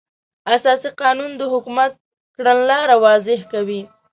اساسي قانون د حکومت کړنلاره واضح کوي.